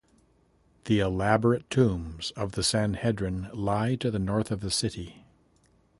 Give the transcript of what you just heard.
The elaborate Tombs of the Sanhedrin lie to the north of the city.